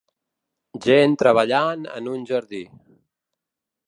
Gent treballant en un jardí.